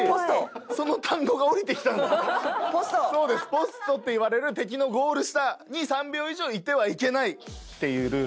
ポストっていわれる敵のゴール下に３秒以上いてはいけないっていうルール。